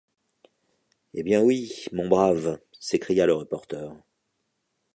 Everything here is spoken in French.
Eh bien, oui, mon brave, s’écria le reporter.